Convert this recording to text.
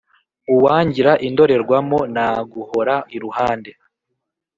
Uwangira indorerwamo naguhora iruhande